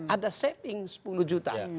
ada saving sepuluh juta